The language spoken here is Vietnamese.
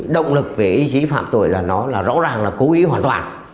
động lực về ý chí phạm tội là nó là rõ ràng là cố ý hoàn toàn